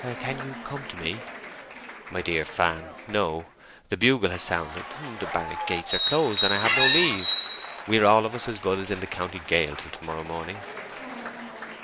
"Can you—come to me!" "My dear Fan, no! The bugle has sounded, the barrack gates are closed, and I have no leave. We are all of us as good as in the county gaol till to morrow morning."